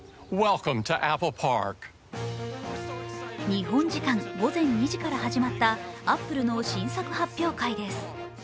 日本時間午前２時から始まったアップルの新作発表会です。